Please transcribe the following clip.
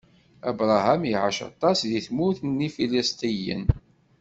Abṛaham iɛac aṭas di tmurt n Ifilistiyen.